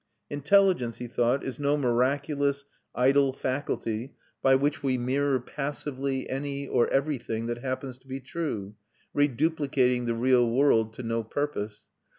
Intelligence, he thought, is no miraculous, idle faculty, by which we mirror passively any or everything that happens to be true, reduplicating the real world to no purpose.